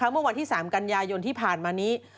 เมื่อวันที่๓กันยายนที่ผ่านมานี้